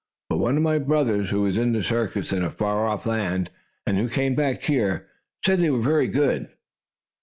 "But one of my brothers, who was in a circus in a far off land, and who came back here, said they were very good.